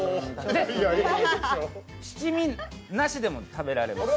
で、七味なしでも食べられます。